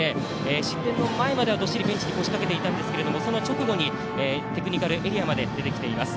失点の前までは、どっしりベンチに腰かけていましたが、直後にテクニカルエリアまで出てきています。